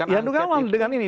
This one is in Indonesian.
yang dugaan awal dengan ini